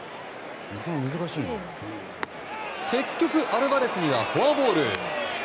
結局アルバレスにはフォアボール。